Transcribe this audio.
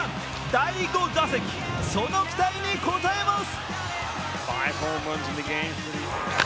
第５打席、その期待に応えます。